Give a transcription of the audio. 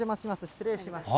失礼します。